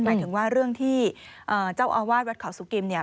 หมายถึงว่าเรื่องที่เจ้าอาวาสวัดเขาสุกิมเนี่ย